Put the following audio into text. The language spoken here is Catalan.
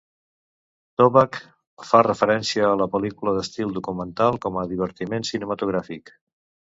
Toback fa referència a la pel·lícula d'estil documental com a divertiment cinematogràfic.